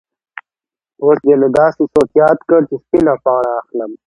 اوس دې نو داسې څوک یاد کړ چې سپینه پاڼه اخلم.